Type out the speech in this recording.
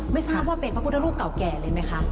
ไม่ทราบว่าเป็นพระพุทธรูปเก่าแก่เลยไหมคะ